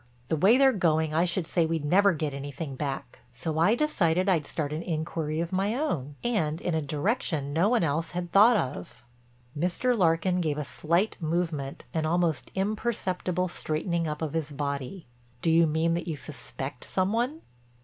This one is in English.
The way they're going I should say we'd never get anything back. So I decided I'd start an inquiry of my own and in a direction no one else had thought of." Mr. Larkin gave a slight movement an almost imperceptible straightening up of his body: "Do you mean that you suspect some one?"